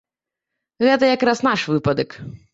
Гэта якраз наш выпадак.